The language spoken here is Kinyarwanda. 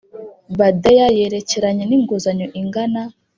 Badea yerekeranye n inguzanyo ingana